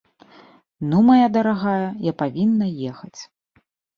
Ну, мая дарагая, я павінна ехаць.